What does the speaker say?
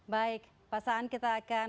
baik pasangan kita akan